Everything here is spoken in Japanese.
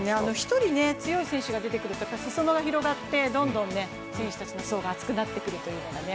１人強い選手が出てくると、裾野が広がってどんどん選手たちの層が厚くなってくるというね。